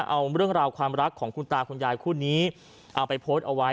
เอาเรื่องราวความรักของคุณตาคุณยายคู่นี้เอาไปโพสต์เอาไว้